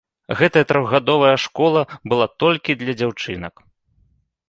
Гэтая трохгадовая школа была толькі для дзяўчынак.